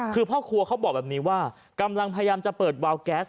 คือพ่อครัวเขาบอกแบบนี้ว่ากำลังพยายามจะเปิดวาวแก๊ส